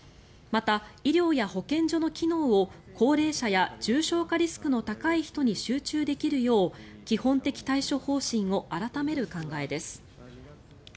また、医療や保健所の機能を高齢者や重症化リスクの高い人に集中できるよう基本的対処方針を改める考えです。